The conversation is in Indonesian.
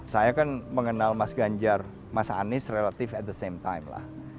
saya kan mengenal mas ganjar mas anies relatif at the same time lah